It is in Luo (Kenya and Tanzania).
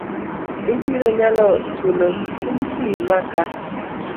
Ibiro nyalo chulo skul fii maka?